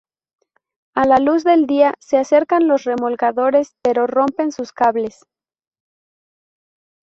A la luz del día se acercan los remolcadores, pero rompen sus cables.